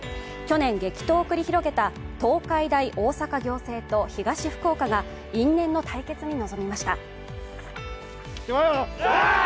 去年、激闘を繰り広げた東海大大阪仰星と東福岡が因縁の対決に臨みました。